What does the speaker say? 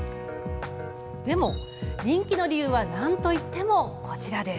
でも、人気の理由はなんと言っても、こちら。